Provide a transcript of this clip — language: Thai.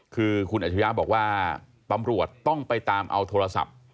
คือคุณอัจฉริยะบอกว่าตำรวจต้องไปตามเอาโทรศัพท์